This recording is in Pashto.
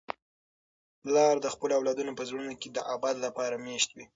پلار د خپلو اولادونو په زړونو کي د ابد لپاره مېشت وي.